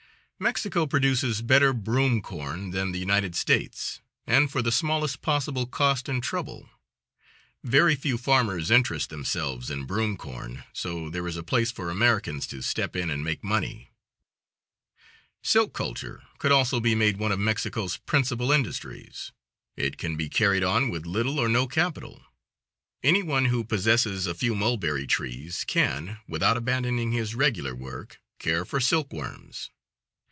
Mexico produces better broom corn than the United States, and for the smallest possible cost and trouble. Very few farmers interest themselves in broom corn, so there is a place for Americans to step in and make money. Silk culture could also be made one of Mexico's principal industries. It can be carried on with little or no capital. Any one who possesses a few mulberry tries can, without abandoning his regular work, care for silk worms.